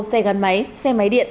xe gắn máy xe máy điện